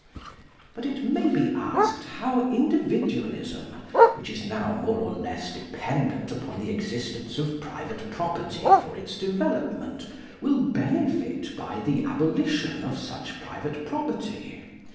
But it may be asked how Individualism, which is now more or less dependent on the existence of private property for its development, will benefit by the abolition of such private property.